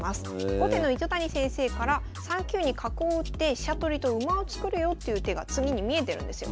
後手の糸谷先生から３九に角を打って飛車取りと馬を作るよという手が次に見えてるんですよ。